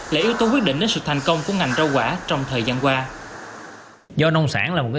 là yếu tố quyết định đến sự thành công của ngành rau quả trong thời gian qua